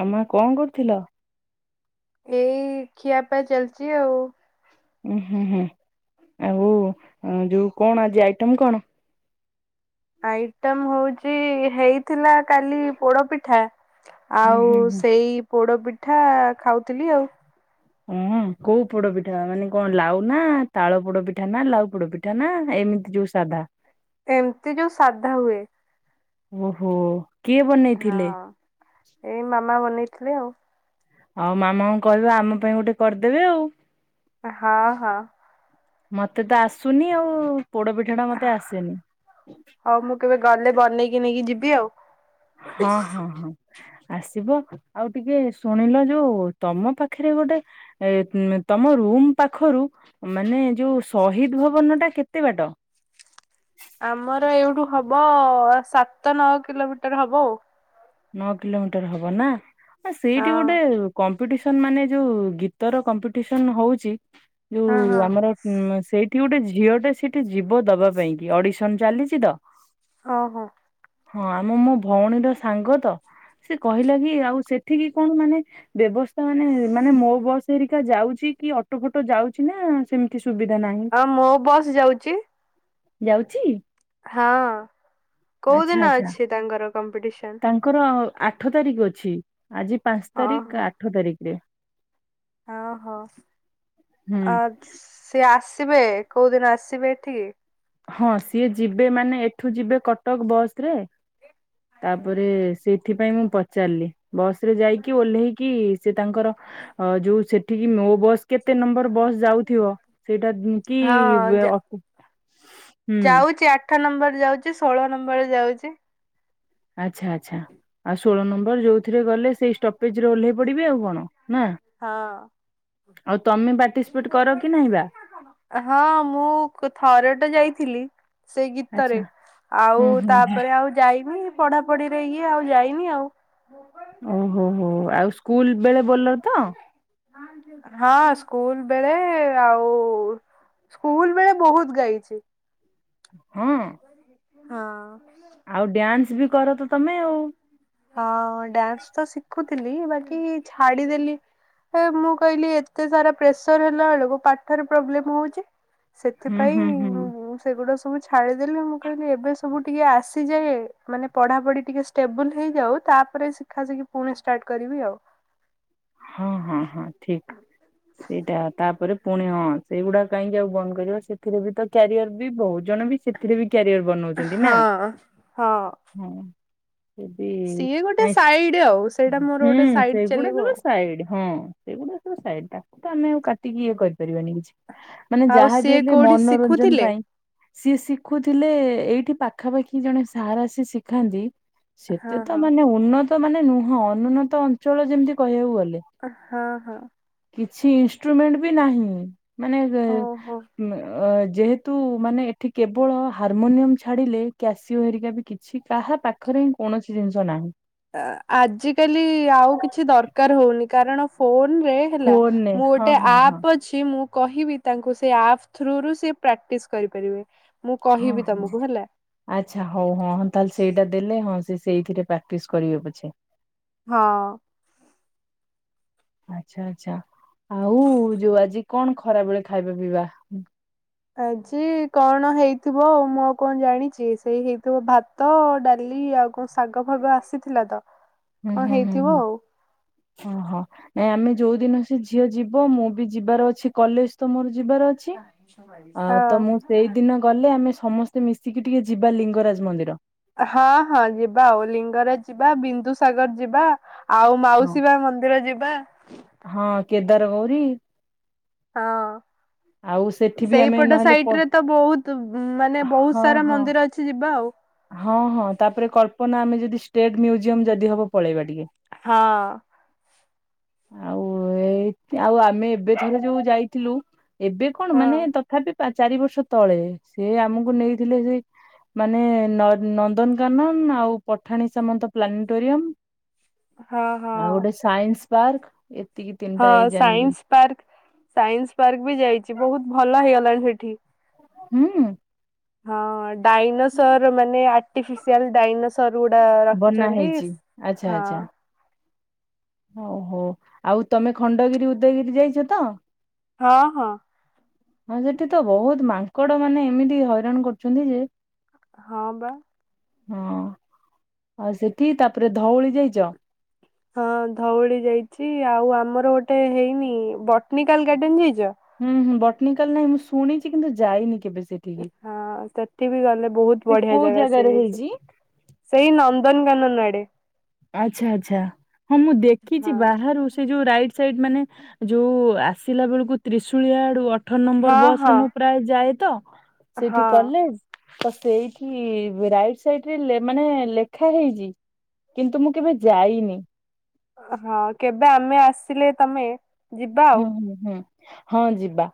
ଆଉ ମା କଣ କରୁଥିଲ? ଏଇ ଖିଆପିଆ ଚାଲିଛି ଆଉ, ଉଁ ହୁଁ-ହୁଁ ଆଉ-ଆଉ ଯୋଉ କଣ ଆଜି ଆଇଟମ୍ କଣ? ଆଇଟମ୍ ହଉଛି ହେ ହେଇଥିଲା କାଲି ପୋଡୋ ପିଠା, ହୁଁ ଆଉ ହୁଁ ହୁଁ ସେଇ ପୋଡ଼ ପିଠା ଖାଉଥିଲି ଆଉ, ଉଁ କୋଉ ପୋଡ଼ ପିଠା ମାନେ କଣ ଲାଉ ନା ତାଳ ପୋଡ଼ ପିଠା ନା ଲାଉ ପୋଡ଼ ପିଠା? ଏଇଟା ନା ଏମିତି ଯୋଉ ସାଧା? ଏମିତି ଯୋଉ ସାଧା ହୁଏ, ଓହୋ, କିଏ ବନେଇଥିଲେ? ହଁ ଏଇ ମାମା ବନେଇଥିଲେ ଆଉ, ଆଉ ମାମା ଙ୍କୁ କହିବା ଆମ ପାଇଁ ଗୋଟେ କରିଦେବେ ଆଉ, ଏ ହଁ-ହଁ, ମତେ ତ ଆସୁନି ଆଉ ପୋଡ଼ପିଠା ଟା ମତେ ଆସେନି, ହଉ ମୁଁ କେବେ ଗଲେ ବନେଇକି ନେଇକି ଯିବି ଆଉ, ହଁ-ହଁ-ହଁ, ଆସିବ ଆଉ ଟିକେ ଶୁଣିଲ ଯୋଉ ତମ ପାଖରେ ଗୋଟେ, ଏ ହୁଁ ତମ ରୁମ ପାଖରୁ ମାନେ ଯୋଉ ସହିଦ୍ ଭବନ ଟା କେତେ ବାଟ? ଆମର ଏଉଠୁ ହବ ଏ ସାତ ନଅ କିଲୋମିଟର ହବ ଆଉ, ନଅ କିଲୋମିଟର ହବ ନା ଆ ସେଇଠି ଆଉ। ଗୋଟେ କ କମ୍ପିଟିସନ ମାନେ ଯୋଉ ଗୀତର କମ୍ପିଟିସନ ହଉଚି ହଁ ହଁ ଯୋଉ ହଁ ଆମର। ହୁଁ ସେଇଠି ଗୋଟେ ଝିଅ ଟେ ସେଇଠି ଯିବ ଦବା ପାଇଁ କି ଅଡିସନ ଚାଲିଛି ତ। ହଁ ହଁ। ହଁ ଆମ ମୋ ଭଉଣୀର ସାଙ୍ଗ ତ ସେ କହିଲା କି ଆଉ ସେଠିକି କଣ ମାନେ ବ୍ୟବସ୍ଥା ମାନେ ମାନେ ମୋ ବସ୍ ହେରିକା ଯାଉଛି କି ଅଟୋ ଫଟୋ ଯାଉଛି ନା ସେମ୍ କିଛି ସୁବିଧା ନାହିଁ ଆଉ ମୋ ବସ୍ ଯାଉଛି। ଯାଉଛି। ହଁ କୋଉ ଆଚ୍ଛା ଦିନ ଆଚ୍ଛା ଅଛି ତାଙ୍କର କମ୍ପିଟିସନ। ତାଙ୍କର ଆଠ ତାରିଖ ଅଛି ଆଜି ପାଞ୍ଚ ତାରିଖ ଆଠ ତାରିଖିରେ। ଓ ହୋ ହୁଁ ଆ ସି ଆସିବେ କଉଁ ଦିନ ଆସିବେ ଏଠିକି? ହଁ ସିଏ ଯିବେ ମାନେ ଏଠୁ ଯିବେ କଟକ ବସ ରେ। ତାପରେ ସେଇଥିପାଇ ମୁଁ ପଚାରିଲି। ବସ ରେ ଯାଇକି ଓହ୍ଲେଇକି ସେ ତାଙ୍କର ଯୋଉ ସେଠିକି ମୋ ବସ୍ କେତେ ନମ୍ବର ବସ୍ ଯାଉଥିବ ସେଇଟା କି ଅ ଯାଉଚି ଆଠ ନମ୍ବରରେ ଯାଉଚି ଷୋହଳ ନମ୍ବରରେ ଯାଉଚି। ଆଚ୍ଛା ଆଚ୍ଛା। ଆଉ ଷୋହଳ ନମ୍ବର ଯୋଉଥିରେ ଗଲେ ସେଇ ଷ୍ଟପେଜ ରେ ଓହ୍ଲେଇ ପଡିବେ ଆଉ କଣ ନା। ହଁ। ଆଉ ତମେ ପାର୍ଟିସିପେଟ କର କି ନାହିଁ ବା? ହଁ ମୁଁ ଥରେ ଟ ଯାଇଥିଲି। ସେ ଗୀତରେ ଆଚ୍ଛା ଆଉ ହୁଁ ହୁଁ ହୁଁ ତାପରେ ଆଉ ଯାଇନି ପଢା ପଢିରେ ଇଏ ଆଉ ଯାଇନି ଆଉ। ଓହୋ ହୋ ହଉ ଆଉ ସ୍କୁଲ ବେଳେ ବୋଲ ତ? ହଁ। ହଁ ସ୍କୁଲ ବେଳେ ଆଉ ସ୍କୁଲ ବେଳେ ବହୁତ ଗାଇଛି। ହୁଁ। ହଁ। ଆଉ ଡ୍ୟାନ୍ସ ବି କର ତ ତମେ ଆଉ। ହଁ ଡ୍ୟାନ୍ସ ତ ଶିଖୁଥିଲି ବାକି ଛାଡିଦେଲି। ହେ ମୁଁ କହିଲି ଏତେ ସାରା ପ୍ରେସର ହେଲା ବେଳକୁ ପାଠରେ ପ୍ରୋବ୍ଲେମ ହଉଚି। ହୁଁ ସେଥିପାଇଁ ହୁଁ ହୁଁ। ମୁଁ ସେଗୁଡା ସବୁ ଛାଡିଦେଲି ମୁଁ କହିଲି ଏବେ ସବୁ ଟିକେ ଆସିଯାଏ। ମାନେ ପଢାପଢି ଟିକେ ଷ୍ଟେବୁଲ ହେଇଯାଉ ତାପରେ ଶିଖା ଶିଖି ପୁଣି ଷ୍ଟାର୍ଟ କରିବି ଆଉ। ହଁ ହଁ ହଁ ଠିକ। ସେଇଟା ତାପରେ ପୁଣି ହଁ ସେଇଗୁଡା କାହିଁକି ଆଉ ବନ୍ଦ କର ସେଥିରେ ବି ତ କ୍ୟାରିଅର ବି ବହୁତ। ଜଣେ ବି ସେଥିରେ ବି କ୍ୟାରିୟର ବନଉଛନ୍ତି ନା? ହଁ। ହଁ ଦି ସିଏ ଗୋଟେ [unintelligible] ସାଇଡ ଆଉ ସେଇଟା ମୋର ଗୋଟେ ହୁଁ ସାଇଡ ସେଇଗୁଡା ଚାଲିବ ସବୁ ଆଉ। ହାଇବ୍ରିଡ଼ ହଁ ସେଗୁଡା ତ ସାଇଡ଼ ତା ତ ଆମେ ଆଉ କାଟିକି ଇଏ କରିପାରିବାନି କିଛି। ମାନେ ଆଉ ଯାହା ସିଏ ବି ହେଲେ କୋଉଠି ମନୋରଞ୍ଜନ ଶିଖୁଥିଲେ? ପାଇଁ। ସିଏ ଶିଖୁଥିଲେ ଏଇଠି ପାଖାପାଖି ଜଣେ ସାର୍ ଆସି ଶିଖାନ୍ତି। ହଁ ସେତେ ତ ହଁ ମାନେ ଉନ୍ନତ ମାନେ ନୁହଁ ଅନୁନ୍ନତ ଅଞ୍ଚଳ ଯେମିତି କହିବାକୁ ଗଲେ। ହଁ ହଁ। କିଛି ଇନଷ୍ଟ୍ରୁମେଣ୍ଟ ବି ନାହିଁ। ମାନେ ଓହୋ। ଅ ଯେହେତୁ ମାନେ ଏଠି କେବଳ ହାରମୋନିୟମ୍ ଛାଡ଼ିଲେ କ୍ୟାସିଓ ହେରିକା ବି କିଛି କାହା ପାଖରେ ହିଁ କୌଣସି ଜିନିଷ ନାହିଁ। ଆ- ଆଜିକାଲି ଆଉ କିଛି ଦରକାର୍ ହଉନି କାରଣ ଫୋନ୍ ରେ ହେଲା ଫୋନରେ ମୁଁ ହଁ ଗୋଟେ ହଁ ହଁ ଆପ୍ ଅ ଛି ମୁଁ କହିବି ତାଙ୍କୁ ସେ ଆପ୍ ଥ୍ରୁ ରୁ ସେ ପ୍ରାକ୍ଟିସ୍ କରିପାରିବେ। ମୁଁ ହଁ କହିବି ହଁ ତମକୁ ହେଲା। ଆଚ୍ଛା ହଉ ହଁ -ହଁ ତାହେଲେ ସେଇଟା ଦେଲେ ହଁ ସେ ସେଇଥିରେ ପ୍ରାକ୍ଟିସ୍ କରିବେ ପଛେ। ହଁ। ଆଚ୍ଛା ଆଚ୍ଛା ଆଉ ଯଉ ଆଜି କଣ ଖରାବେଳେ ଖାଇବା ପିଇବା? ଆଜି କଣ ହେଇଥିବ ମୁଁ ଆଉ କଣ ଜାଣିଚି ସେଇ ହେଇଥିବ ଭାତ୍ ତ ଡାଲି ଆଉ କଣ ଶାଗ ଫାଗ ଆସିଥିଲା ତ। ହୁଁ- କଣ ହୁଁ -ହୁଁ ହେଇଥିବ ଆଉ -ହୁଁ ଅ ହ। ଏଁ- ଆମେ ଯଉ ଦିନ ସେ ଝିଅ ଯିବ ମୁଁ ବି ଯିବାର ଅଛି କଲେଜ୍ ତ ମୋର ଯିବାର ଅ ଛି ଆଉ ତ ମୁଁ ସେଇ ଦିନ ଗଲେ ଆମେ ସମସ୍ ମତେ ମିଶିକି ଟିକେ ଯିବା ଲିଙ୍ଗରାଜ୍ ମନ୍ଦିର। ହଁ -ହଁ ଯିବା ଆଉ ଲିଙ୍ଗରାଜ୍ ଯିବା ବିନ୍ଦୁସାଗର ଯିବା। ଆଉ ହଁ ମାଉସୀ ମା ମନ୍ଦିର ଯିବା। ହଁ କେଦାର ଗୌରୀ। ହଁ। ଆଉ ସେଠି ବି ଆମେ ସେଇପଟ ନହେଲେ ସାଇଟ୍ ପ ରେ ତ ବହୁତ୍ ମାନେ ବହୁତ୍ ହଁ ସାରା ହଁ। ମନ୍ଦିର ଅଛି। କିଛି ଯିବା ଆଉ। ହଁ -ହଁ ତାପରେ କଳ୍ପନା ଆମେ ଯଦି ଷ୍ଟେଟ୍ ମ୍ୟୁଜିୟମ୍ ଯଦି ହବ ପଳେଇବା ଟିକେ। ହଁ। ଆଉ -ଆଉ ଆମେ ଏବେଥରେ ଯଉ ଯାଇଥିଲୁ ଏବେ କଣ ହଁ ମାନେ ତଥାପି ଚାରି ବର୍ଷ ତଳେ ସେ ଆମକୁ ନେଇଥିଲେ ସେ ମାନେ ନ-ନନ୍ଦନକାନନ ଆଉ ପଠାଣି ସାମନ୍ତ ପ୍ଲାନିଟୋରିୟମ୍। ହଁ ଆଉ ହଁ ଗୋଟେ ସାଇନ୍ସ୍ ପାର୍କ ଏ ହଁ ସାଇନ୍ସ୍ ପାର୍କ ସାଇନ୍ସ୍ ପାର୍କ ବି ଯାଇଚି ବହୁତ୍ ଭଲ ହେଇଗଲାଣି ସେଠି। ହୁଁ। ହଁ ଡାଇନୋସର୍ ମାନେ ଆର୍ଟିଫିସିଆଲ୍ ଡାଇନୋସର୍ ଗୁଡା ବନା ରଖିଚନ୍ତି। ହେଇଛି ଆଚ୍ଛା ଆଚ୍ଛା। ହଉ ହଉ ଆଉ ତମେ ଖଣ୍ଡଗିରି ଉଦୟଗିରି ଯାଇଚ ତ? ହଁ ହଁ। ହଁ ସେଠି ତ ବହୁତ୍ ମାଙ୍କଡ ମାନେ ଏମିତି ହଇରାଣ କରୁଚନ୍ତି ଯେ ହଁ ପା। ହଁ ଆଉ ସେଠି ତାପରେ ଧଉଳି ଯାଇଚ? ହଁ ଧଉଳି ଯାଇଚି ଆଉ ଆମର ଗୋଟେ ହେଇନି ବଟ୍ନିକାଲ୍ ଗାର୍ଡେନ୍ ଯାଇଚ? ହୁଁ ହୁଁ ବଟ୍ନିକାଲ୍ ନାହିଁ ମୁଁ ଶୁଣିଚି କିନ୍ତୁ ଯାଇନି କେବେ ସେଠ୍ ହଁ ସେଠି ବି ଗଲେ ବହୁତ୍ ସେ ବଢିଆ କୋଉ ଜାଗା ସିଏ ଜାଗାରେ ହେଇଚି। ହେଇଛି? ସେଇ ନନ୍ଦନକାନନ୍ ଆଡେ। ଆଚ୍ଛା ଆଚ୍ଛା ହଁ ମୁଁ ଦେଖିଚି ବାହାରୁ ହଁ। ସେ ଯଉ ରାଇଡ୍ ସେଇଠି ମାନେ ଯଉ ଆସିଲା ବେଳକୁ ତ୍ରିଶୁଳିଆ ଆଡୁ ଅଠର୍ ନମ୍ବର ହଁ ବସ୍ ହଁ ରେ ମୁଁ ପ୍ରାୟେ ଯାଏ ତ ହଁ ସେଇଠି କଲେଜ୍। ତ ସେଇଠି ରାଇଟ୍ ସାଇଡ୍ ରେ ଲେ-ମାନେ ଲେଖା ହେଇଚି। କିନ୍ତୁ ମୁଁ କେବେ ଯାଇନି। ହଁ କେବେ ଆମେ ଆସିଲେ ତମେ ଯିବା ଆଉ ହୁଁ- ହୁଁ -ହୁଁ -ହଁ ଯିବା।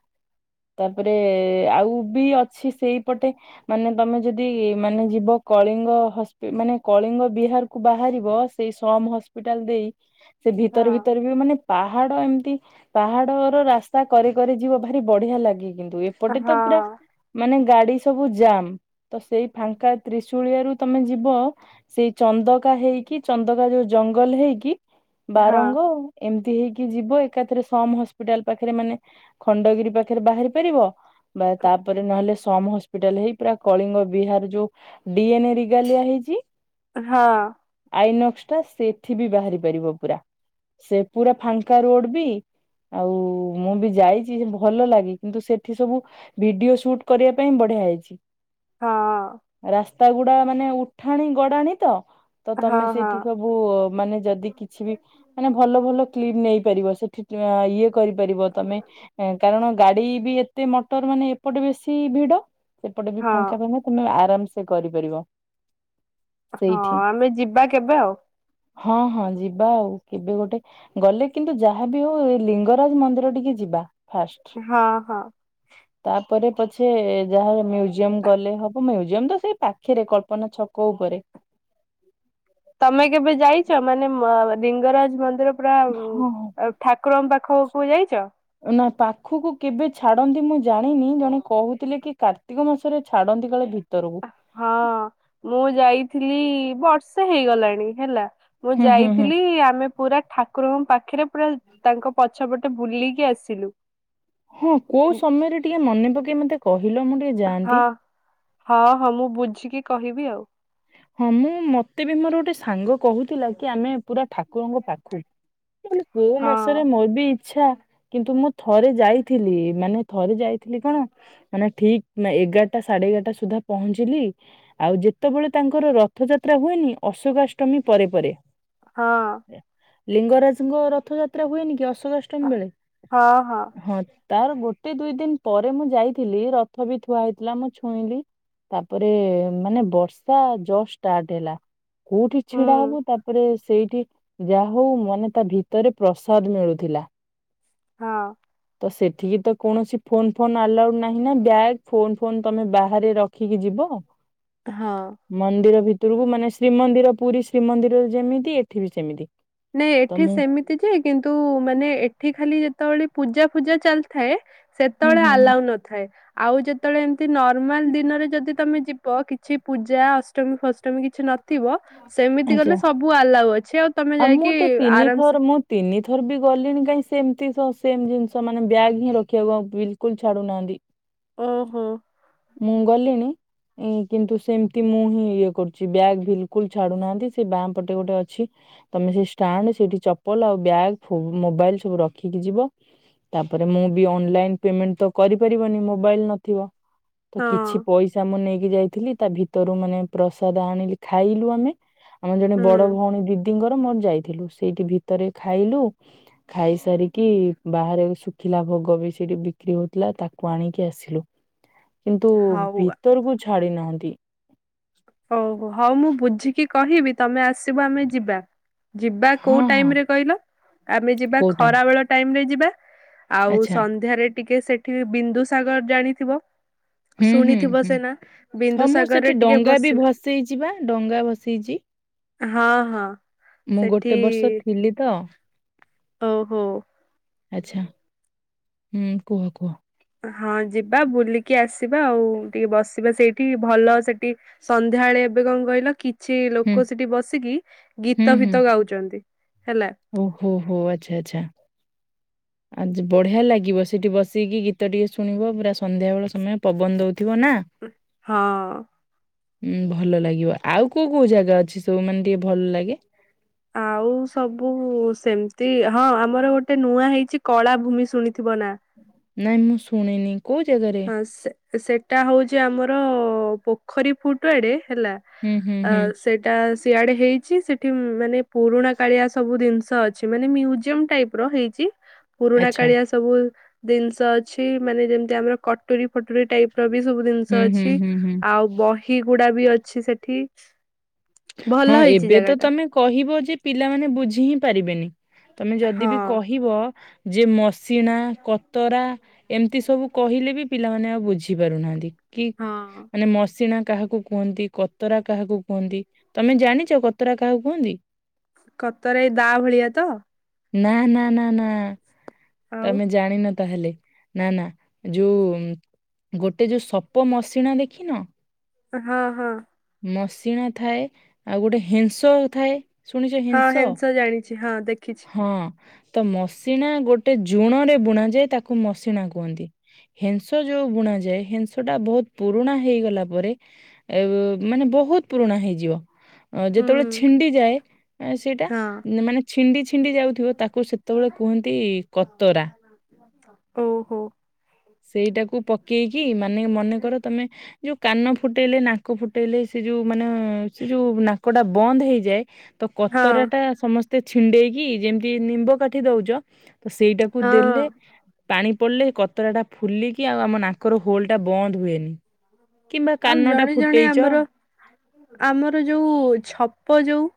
ତାପରେ ଆଉ ବି ଅଛି ସେଇପଟେ ମାନେ ତମେ ଯଦି ମାନେ ଯିବ କଳିଙ୍ଗି ହସ-ମାନେ କଳିଙ୍ଗ ବିହାରକୁ ବାହାରିବ ସେଇ ସମ ହସ୍ପିଟାଲ ଦେଇ ସେ ଭିତର ଭିତରେ ବି ମାନେ ପାହାଡ ଏମିତି ପାହାଡର ରାସ୍ତା କରି କରି ଯିବ ଭାରି ବଢିଆ ଲାଗେ କିନ୍ତୁ ଏପଟେ ତ ହଁ ପୁରା ମାନେ ଗାଡି ସବୁ ଜାମ୍ ତ ସେଇ ଫାଙ୍କା ତ୍ରିଶୁଳିଆ ର ତମେ ଯିବ ସେଇ ଚନ୍ଦକା ହେଇକି ଚନ୍ଦକା ଯୋଉ ଜଙ୍ଗଲ ହେଇକି ହଁ ବାରଙ୍ଗ ଏମିତି ହେଇକି ଯିବ ଏକାଥରେ ସମ ହସ୍ପିଟାଲ ପାଖରେ ମାନେ ଖଣ୍ଡଗିରି ପାଖରେ ବାହାରି ପାରିବ। ବା ତାପରେ ନହେଲେ ସମ ହସ ହସ୍ପିଟାଲ ହେଇ ପୁରା କଳିଙ୍ଗ ବିହାର ଯୋଉ ଡିଏନ ରିଗାଲିଆ ହେଇଛି ହଁ। ଆଇନକ୍ସ ଟା ସେଠି ବି ବାହାରି ପାରିବ ପୁରା ସେ ପୁରା ଫାଙ୍କା ରୋଡ ବି ଆଉ ମୁଁ ବି ଯାଇଛି ଭଲ ଲାଗେ କିନ୍ତୁ ସେଠି ସବୁ ଭିଡିଓ ସୁଟ୍ କରିବା ପାଇଁ ବଢିଆ ହେଇଛି। ରାସ୍ତା ଗୁଡା ମାନେ ଉଠାଣି ଗଡାଣି ତ ତ ହଁ ତମେ ହଁ ସେଇଠି ହଁ। ସବୁ ସୁ ମାନେ ଯଦି କିଛି ବି ମାନେ ଭଲ ଭଲ କ୍ଲିପ୍ ନେଇପାରିବ ସେଠି ଇଏ କରିପାରିବ ତମେ କାରଣ ଗାଡି ବି ଏତେ ମଟର ମାନେ ଏପଟ ବେଶୀ ଭିଡ ଏପଟେ ବି ହଁ ଫାଙ୍କା ଫାଙ୍ଗା ତମେ ଆରାମ ସେ କରିପାରିବ। ହଁ ସେଇଠି ଆମେ ଯିବା କେବେ ଆଉ। ହଁ ହଁ ଯିବା ଆଉ କେବେ ଗୋଟେ ଗଲେ କିନ୍ତୁ ଯାହା ବି ହଉ ଏ ଲିଙ୍ଗରାଜ ମନ୍ଦିର ଟିକେ ଯିବା ଫାଷ୍ଟ। ହଁ ହଁ। ତାପରେ ପଛେ ଯାହା ମ୍ୟୁଜିୟମ ଗଲେ ହବ ମ୍ୟୁଜିୟମ ତ ସେଇ ପାଖରେ କଳ୍ପନା ଛକ କୋ ଉପରେ ତମେ କେବେ ଯାଇଛ ମାନେ ଲିଙ୍ଗରାଜ ମନ୍ଦିର ପୁରା ହଁ ହଁ ଠାକୁରଙ୍କ ପାଖକୁ ଯାଇଛ? ନା ପାଖକୁ କେବେ ଛାଡନ୍ତି ମୁଁ ଜାଣିନି ଜଣେ କହୁଥିଲେ କିା କାର୍ତ୍ତିକ ମାସରେ ଛାଡ଼ନ୍ତି କାଳେ ଭିତରକୁ। ହଁ ମୁଁ ଯାଇଥିଲି ବର୍ଷେ ହେଇଗଲାଣି ହେଲା। ମୁଁ ହୁଁ ହୁଁ ହୁଁ। ଯାଇଥିଲି ଆମେ ପୁରା ଠାକୁରଙ୍କ ପାଖରେ ପୁରା ତାଙ୍କ ପଛପଟ ବୁଲିକି ଆସିଲୁ। ହଁ କୋଉ ସମୟରେ ଟିକେ ମନେ ପକେଇ ମତେ କହିଲ ମୁ ଟ ହଁ ହଁ ହଁ ମୁଁ ବୁଝିକି କହିବି ଆଉ। ହଁ ମୁଁ ମତେ ବି ମୋର ଗୋଟେ ସାଙ୍ଗ କହୁଥିଲା କି ଆମେ ପୁରା ଠାକୁରଙ୍କ ପାଖକୁ କହିଲି କୋଉ ହଁ ମସାରେ ମୋର ବିି ଆଛା କିନ୍ତୁ ମୁଁ ଥରେ ଯାଇଥିଲି ମାନେ ଥରେ ଯାଇଥିଲି କଣ ମାନେ ଠିକ୍ ଏଗାରଟା ସାଢେ ଏଗାରଟା ସୁଦ୍ଧା ପହଞ୍ଚିଲି। ଆଉ ଯେତେବେଳେ ତାଙ୍କର ରଥଯାତ୍ରା ହୁଏନି ଅଶୋକାଷ୍ଟମୀ ପରେ ପରେ। ହଁ। ଲିଙ୍ଗରାଜଙ୍କ ରଥଯାତ୍ରା ହୁଏନି କି ଅଶଧ ଅଷ୍ଟମ ହଁ ବେଳେ? ହଁ। ତାର ଗୋଟେ ଦୁଇ ଦିନ୍ ପରେ ମୁଁ ଯାଇଥିଲି ରଥ ବି ଥୁଆ ହେଇଥିଲା ମୁଁ ଛୁଇଁଲି। ତାପରେ ମାନେ ବର୍ଷା ଜଷ୍ଟ ଷ୍ଟାର୍ଟ ହେଲା କୋଉଠି ଛିଡା ହୁଁ ହବୁ ତାପରେ ସେଇଠି ଯାହା ହଉ ମାନେ ତା ଭିତରେ ପ୍ରସାଦ ମିଳୁଥିଲା। ହଁ। ତ ସେଠିକି ତ କୌଣସି ଫୋନ୍ ଫୋନ୍ ଆଲାଉଡ଼୍ ନାହିଁ ନା ବ୍ୟାଗ୍ ଫୋନ୍ ଫୋନ୍ ତୁମେ ବାହାରେ ରଖିକି ଯିବ। ହଁ। ମନ୍ଦିର ଭିତରକୁ ମାନେ ଶ୍ରୀମନ୍ଦିର ପୁରୀ ଶ୍ରୀମନ୍ଦିର ଯେମିତି ଏଠି ବି ସେମିତି। ନାଇଁ ତ ଏଠି ମୁଁ ସେମି ଯେ କିନ୍ତୁ ମାନେ ଏଠି ଖାଲି ଯେତେବେଳେ ପୂଜା ଫୂଜା ଚାଲିଥାଏ। ହୁଁ ସେତେବେଳେ ହୁଁ ହୁଁ। ଆଲାଉ ନଥାଏ। ଆଉ ଯେତେବେଳେ ଏମତି ନର୍ମାଲ ଦିନରେ ଯଦି ତମେ ଯିବ କିଛି ପୂଜା ଅ ଅଷ୍ଟମୀ ଫଷ୍ଟମୀ କିଛି ନଥିବ ସେମିତି ଆଚ୍ଛା କଲେ ସବୁ ଆଲାଉ ଅଛି ଆଉ ତମେ ଯାଇ ମୁଁ ତ ତିନି ଥର ମୁଁ ତିନି ଥର ବି ଗଲିଣି କାଇହିଁ ସେମିତି ସେମ୍ ଜିନିଷ ମାନେ ବ୍ୟାଗ୍ ହିଁ ରଖିବାକୁ ବିଲକୁଲ ଛାଡୁନାହାନ୍ତି। ଉହୁଁ। ମୁଁ ଗଲିଣି କିନ୍ତୁ ସେମତି ମୁଁ ହିଁ ଇଏ କରୁଛି। ସେ ବ୍ୟାଗ୍ ବିଲକୁଲ ଛାଡୁନାହାନ୍ତି ସେ ବାପଟେ ଗୋଟେ ଅଛି। ତମେ ସେ ଷ୍ଟାଣ୍ଡ୍ ସେଠି ଚପଲ ଆଉ ବଗ୍ ମୋବାଇଲ ସବୁ ରଖିକି ଯିବ। ତାପରେ ମୁଁ ବି ଅଲ୍ ଲାଇନ୍ ପେଣ୍ଟ ତ କରିପାରିବନି ମୋବାଇଲ୍ ନଥିବ। ତ ହଁ କିଛି ପଇସା ମୁଁ ନେଇକି ଯାଇଥିଲି ତା ଭିତରୁ ମାନେ ପ୍ରସାଦ ଆଣିଲି ଖାଇଲୁ ଆମେ। ଆମେ ଜଣେ ହୁଁ ବଡ ଭଉଣୀ ଦିଦିଙ୍କର ମୋର ଯାଇଥିଲୁ ସେଇଠି ଭିତରେ ଖାଇଲୁ। ଖାଇସାରିକି ବାହାରେ ଶୁଖିଲା ଭୋଗ ବି ସେଇଠି ବିକ୍ରି ହଉଥିଲା ତାକୁ ଆଣିକି ଆସିଲୁ। [unintelligible] କିନ୍ତୁ ହଉ ଭିତରକୁ ଛାଡି ନାହାଁନ୍ତି। ଓହୋ ହଉ ମୁଁ ବୁଝିକି କହିବି ତମେ ଆସିବ ଆମେ ଯିବା। ଯିବା କୋଉ ହଁ ହଁ ଟାଇମ୍ ରେ କହିଲ ଆମେ ଯିବା କୋଉଟା ଖରା ବେଳ ଟାଇମ୍ ରେ ଯିବା। ଆଉ ଆଚ୍ଛା ସନ୍ଧ୍ୟାରେ ଟିକେ ସେଠି ବିନ୍ଦୁସାଗର ଜାଣିଥିବ। ହୁଁ ହୁଁ ଶୁଣିଥିବ ହୁଁ। ସେ ନାଁ ବିନ୍ଦୁସାଗରରେ ଟିକେ ବସି ଭସେଇଚି ବା ଡଙ୍ଗା ଭସେଇଚି ହଁ ହଁ ମୁଁ ସେଠି ଗୋଟେ ବର୍ଷ ଥିଲି ତ। ଓ ହୋ। ଆଚ୍ଛା ହୁଁ କୁହ କୁହ? ହଁ ଯିବା ବୁଲିକି ଆସିବା ଆଉ ଟିକେ ବସିବା ସେଇଠି ଭଲ ସେଠି। ସନ୍ଧ୍ୟାବେଳେ ଏବେ କଣ କହିଲ କି କିଛି ହୁଁ ଲୋକ ସେଠି ବସିକି ଗୀତ ଫିତ ଗାଉଚନ୍ତି ହେଲା। ଓ ହୋ ହୋ ଆଚ୍ଛା ଆଚ୍ଛା। ଆଜି ବଢିଆ ଲାଗିବ ସେଠି ବସିକି ଗୀତ ଟିକେ ଶୁଣିବ ପୁରା ସନ୍ଧ୍ୟାବେଳ ସମୟ ପବନ ଦଉଥିବ ନାଁ? ହଁ। ଉୁଁ ଭଲ ଲାଗିବ ଆଉ କୋଉ କୋଉ ଜାଗା ଅଛି ସବୁ ମାନେ ଟିକେ ଭଲ ଲାଗେ। ଆଉ ସବୁ ସେମିତି ହଁ ଆମର ଗୋଟେ ନୂଆ ହେଇଚି କଳାଭୂମି ଶୁଣିଥିବ ନାଁ? ନାଇଁ ମୁଁ ଶୁଣିନି। କୋଉ ଜାଗାରେ? ହଁ ସେ ସେଟା ହଉଚି ଆମର ପୋଖରୀଫୁଟ ଆଡେ ହେଲା। ହୁଁ, ହୁଁ, ଅ ହୁଁ। ସେଠ୍ ସେଟା ସିଆଡେ ହେଇଚି ସେଠି ମାନେ ପୁରୁଣାକାଳିଆ ସବୁ ଜିନିଷ ଅଛି ମାନେ ମ୍ୟୁଜିୟମ ଟାଇପ୍ ର ହେଇ ଚି ଆଚ୍ଛା। ପୁରୁଣାକାଳିଆ ସବୁ ଜିନିଷ ଅଛି ମାନେ ଯେମତି ଆମର କଟୁରୀ ଫଟୁରୀ ଟାଇପ୍ ର ବି ସବୁ ଜିନିଷ ହୁଁ, ହୁଁ, ଅଛି ହୁଁ, ହୁଁ। ଆଉ ବହି ଗୁଡାବି ଅଛି ସେଠି। ହଁ ଭଲ ହେଇଛି ଏବେ ତ ଜାଗା ଟା। ତମେ କହିବ ଯେ ପିଲାମାନେ ବୁଝି ହିଁ ପାରିବେନି ତମେ ଯଦି ବି ହଁ କହିବ। ଯେ ମସିଣା କତରା ଏମିତି ସବୁ କହିଲେ ବି ପିଲାମାନେ ଆଉ ବୁଝିପାରୁନାହାନ୍ତି। କି ହଁ ମାନେ ମସିଣା କାହାକୁ କୁହନ୍ତି କତରା କାହାକୁ କୁହନ୍ତି? ତମେ ଜାଣିଚ ଗତରା କାହାକୁ କୁହନ୍ତି? କତରା ଏଇ ଦାଆ ଭଳିଆ ତ, ନା ନା ନା ନା ଆଉ ତମେ ଜାଣିନ ତାହେଲେ ନା ନା ଯୋଉ ଗୋଟେ ଯୋଉ ସପ ମଶିଣା ଦେଖିନ? ହଁ ହଁ। ମଶିିଣା ଥାଏ ଆଉ ଗୋଟେ ହେଂସଉ ଥାଏ। ହଁ ହେଂସ ଜାଣିଛି ହଁ ଦେଖିଛି। ହଁ ତ ମସିଣା ଗୋଟେ ଜୁଣରେ ବୁଣା ଯାଏ ତାକୁ ମସିଣା କୁହନ୍ତି। ହେଂସ ଯୋଉ ବୁଣା ଯାଏ ହେଂସଟା ବହୁତ ପୁରୁଣା ହେଇଗଲା ପରେ ଏ ମାନେ ବହୁତ ପୁରୁଣା ହେଇଯିବ। ଅ ହୁଁ ଯେତେବେଳେ ଛିଣ୍ଡି ଯାଏ ଆ ସେଇଟା ହଁ ମାନେ ଛିଣ୍ଡି ଛିଣ୍ଡି ଯାଉଥିବ ତାକୁ ସେତେବେଳେ କୁହନ୍ତି କତରା। ଓହୋ। ସେଇଟାକୁ ପକେଇକି ମାନେ ମନେକର ତମେ ଯୋଉ କାନ ଫୁଟେଇଲେ ନାକ ଫୁଟେଇଲେ ସେ ଯୋଉ ମାନେ ସେ ଯୋଉ ନାକଟା ବନ୍ଦ ହେଇଯାଏ ତ ହଁ କତରାଟା ସମସ୍ତେ ଛିଣ୍ଡେଇକି ଯେମିତି ନିମ୍ବ କାଠି ଦଉଛ। ତ ସେଇଟାକୁ ହଁ ଦେଲେ ପାଣି ପଡିଲେ କତରାଟା ଫୁଲିକି ଆଉ ଆମ ନା କର ହୋଲଟା ବନ୍ଦ ହୁଏନି, କିମ୍ବା ଆଉ କାନଟା ଜଣେ ଜଣେ ଫୁଟେଇଛ ଆମର ଆମର ଯୋଉ ଛପ ଯୋଉ।